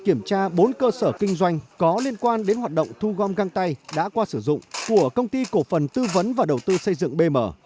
kiểm tra bốn cơ sở kinh doanh có liên quan đến hoạt động thu gom găng tay đã qua sử dụng của công ty cổ phần tư vấn và đầu tư xây dựng bm